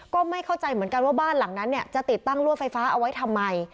ก็ไม่เข้าใจเหมือนกันว่าบ้านหลังนั้นจะติดตั้งรั่วไฟฟ้าเอาไว้ทำไม